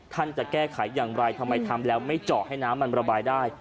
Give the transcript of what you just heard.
จะแก้ไขอย่างไรทำไมทำแล้วไม่เจาะให้น้ำมันระบายได้